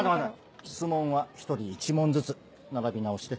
質問は１人１問ずつ並び直して。